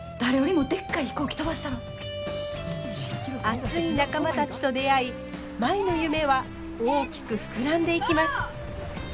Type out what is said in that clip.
熱い仲間たちと出会い舞の夢は大きく膨らんでいきます。